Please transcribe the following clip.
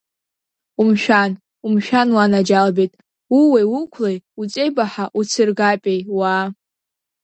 Умшәан, умшәан уанаџьалбеит, ууеи уқәлеи уҵеибаҳәа удсыргапеи, уаа!